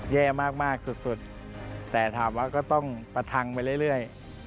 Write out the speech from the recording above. แย่มากสุดแต่ถามว่าก็ต้องประทังไปเรื่อย